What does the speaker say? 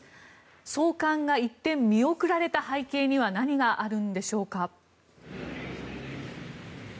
送還が一転、見送られた背景には何があるんでしょうか。